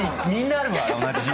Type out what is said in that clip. みんなあるわ。